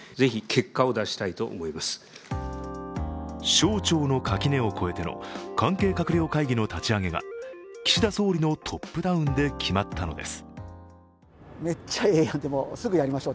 省庁の垣根を越えての関係閣僚会議の立ち上げが岸田総理のトップダウンで決まったのです。